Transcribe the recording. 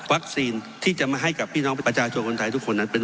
ที่จะมาให้กับพี่น้องประชาชนคนไทยทุกคนนั้นเป็น